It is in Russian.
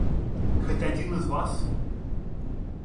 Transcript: Хоть один из вас?